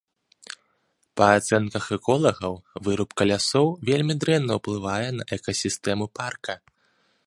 Па ацэнках эколагаў, вырубка лясоў вельмі дрэнна ўплывае на экасістэму парка.